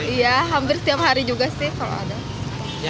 iya hampir setiap hari juga sih kalau ada